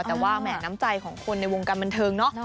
แต่ว่าแหมน้ำใจของคนในวงการบันเทิงเนาะ